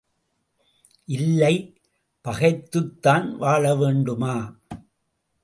இல்லை, பகைத்துத்தான் வாழவேண்டுமா?